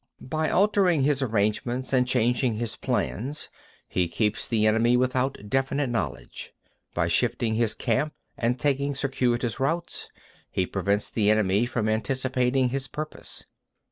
37. By altering his arrangements and changing his plans, he keeps the enemy without definite knowledge. By shifting his camp and taking circuitous routes, he prevents the enemy from anticipating his purpose.